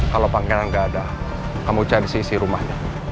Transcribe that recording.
kalau pangeran nggak ada kamu cari sisi rumahnya